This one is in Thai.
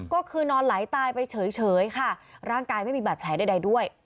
ก็คือนอนไหลตายไปเฉยค่ะร่างกายไม่มีบาดแผลใดด้วย